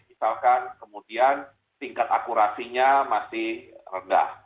misalkan kemudian tingkat akurasinya masih rendah